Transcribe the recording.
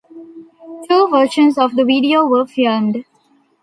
Two versions of the video were filmed.